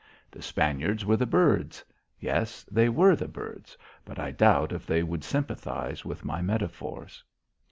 The Spaniards were the birds. Yes, they were the birds, but I doubt if they would sympathise with my metaphors.